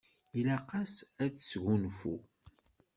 Ilaq-as ad tesgunfu.